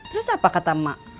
terus apa kata emak